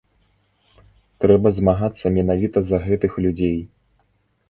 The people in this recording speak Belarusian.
Трэба змагацца менавіта за гэтых людзей.